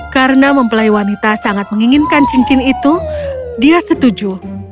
karena mempelai wanita sangat menginginkan cincin itu dia setuju